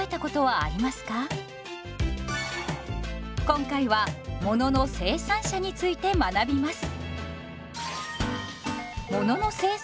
今回は「ものの生産者」について学びます。